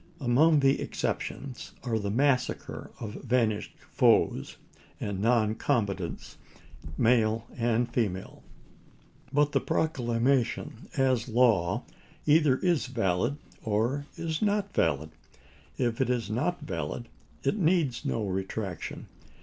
Among the ex ceptions are the massacre of vanquished foes and non combatants, male and female. But the proclamation, as law, either is valid or is not valid. If it is not valid it needs no retraction.